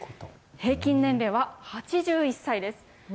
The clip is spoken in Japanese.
平均年齢は８１歳です。